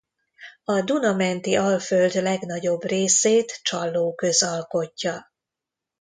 A Duna menti alföld legnagyobb részét Csallóköz alkotja.